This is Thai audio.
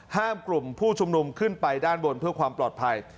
ห้ามกลุ่มผู้ชุมนุมขึ้นไปด้านบนเพื่อความปลอดภัย